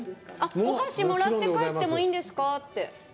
お箸もらって帰ってもいいんですか？